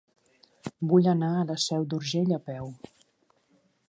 Vull anar a la Seu d'Urgell a peu.